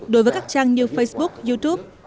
đối với các trang như facebook youtube